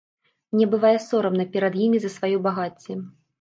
Мне бывае сорамна перад імі за сваё багацце.